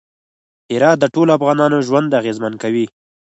هرات د ټولو افغانانو ژوند اغېزمن کوي.